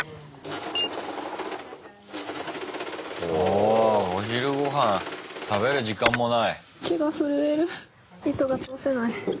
あお昼ごはん食べる時間もない。